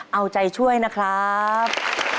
เอาใจช่วยนะครับ